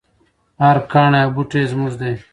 هر کاڼی او بوټی یې زموږ دی.